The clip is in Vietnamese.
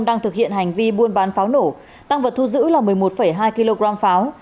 đang thực hiện hành vi buôn bán pháo nổ tăng vật thu giữ là một mươi một hai kg pháo